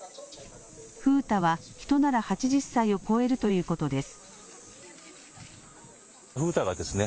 風太は人なら８０歳を超えるということです。